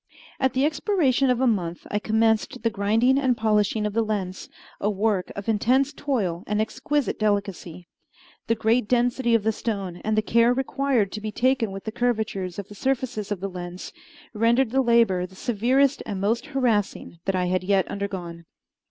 At the expiration of a month I commenced the grinding and polishing of the lens, a work of intense toil and exquisite delicacy. The great density of the stone, and the care required to be taken with the curvatures of the surfaces of the lens, rendered the labor the severest and most harassing that I had yet undergone.